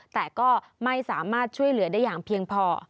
แต่ก็ไม่สามารถช่วยเหลือได้อย่างเพียงพอ